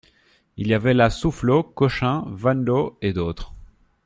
Il y avait là Soufflot, Cochin, Van Loo et d'autres.